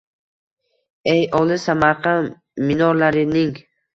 Ey, olis Samarqand minorlarining